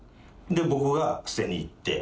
で僕が捨てに行って。